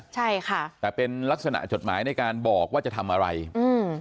ใช่ค่ะแต่เป็นลักษณะจดหมายในการบอกว่าจะทำอะไรอืม